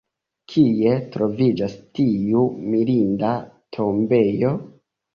Kie troviĝas tiu mirinda tombejo?